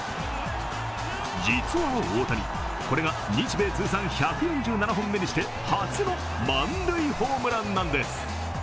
実は大谷、これが日米通算１４７本目にして初の満塁ホームランなんです。